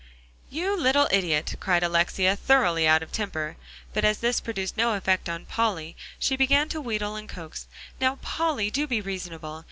"You little idiot!" cried Alexia, thoroughly out of temper. But as this produced no effect on Polly, she began to wheedle and coax. "Now, Polly, do be reasonable.